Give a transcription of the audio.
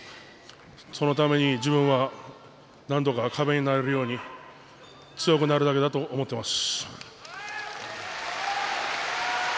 そのために自分はなんとか壁になれるように強くなるだけだと思っています。